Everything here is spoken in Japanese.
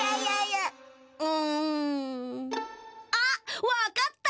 うん。あっわかった！